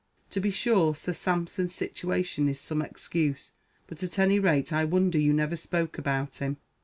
To be sure, Sir Sampson's situation is some excuse; but at any rate I wonder you never spoke about him.